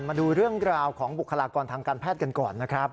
มาดูเรื่องราวของบุคลากรทางการแพทย์กันก่อนนะครับ